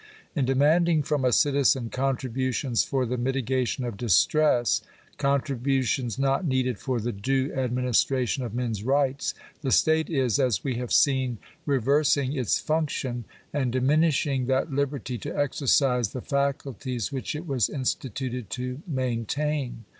In demanding from a citizen contributions for the mitigation of distress — contributions not needed for the due administration of men's rights — the state is, as we have seen, reversing its function, and diminishing that liberty to exercise the faculties which it was instituted to maintain.